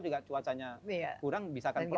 juga cuacanya kurang bisa akan keluar